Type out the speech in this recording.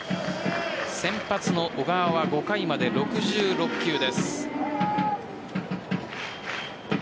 先発の小川は５回まで６６球です。